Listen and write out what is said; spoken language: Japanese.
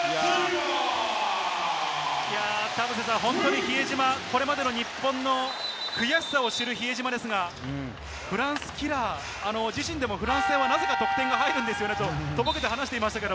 田臥さん、本当に比江島、これまでの日本の悔しさを知る比江島ですが、フランスキラー、自身でもフランスではなぜか得点が入るんですよねと、とぼけて話してました。